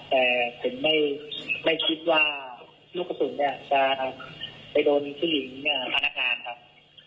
แต่คุณไม่คิดว่าลูกกระสุนจะไปโดนพี่หลิงพนักงานครับ